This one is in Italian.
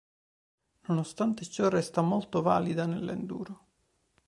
Nonostante ciò resta molto valida nell'enduro.